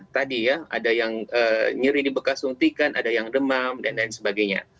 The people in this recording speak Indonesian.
tadi ya ada yang nyeri di bekas suntikan ada yang demam dan lain sebagainya